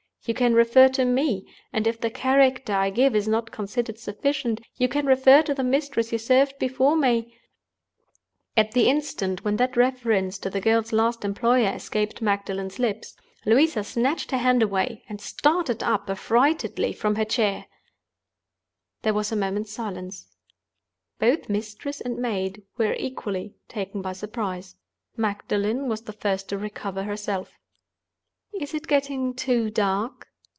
You can refer to me; and if the character I give is not considered sufficient, you can refer to the mistress you served before me—" At the instant when that reference to the girl's last employer escaped Magdalen's lips, Louisa snatched her hand away and started up affrightedly from her chair. There was a moment's silence. Both mistress and maid were equally taken by surprise. Magdalen was the first to recover herself. "Is it getting too dark?"